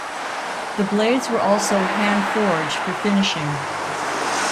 The blades were also hand forged for finishing.